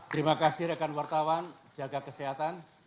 terima kasih rekan wartawan jaga kesehatan